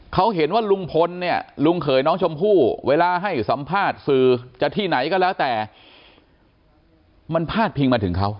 เขาเห็นว่าลุงพลเนี่ยลุงเขยน้องชมพู่เวลาให้สัมภาษณ์สื่อจะที่ไหนก็แล้วแต่มันพาดพิงมาถึงเขา